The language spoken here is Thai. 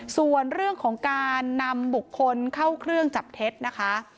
ส่วนเรื่องของการนำบุคคลเข้าเครื่องจับเท็จนะคะ